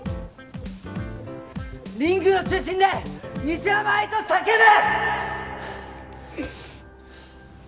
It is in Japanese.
リングの中心で「西山愛」と叫ぶ！